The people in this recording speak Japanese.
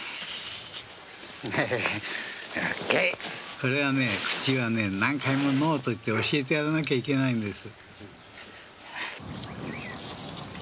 これはね、口は何回もノーと言って教えてやらなきゃいけないんです。